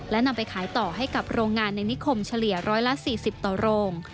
และนำไปขายต่อให้กับโรงงานในนิคมเฉลี่ย๑๔๐ต่อโรง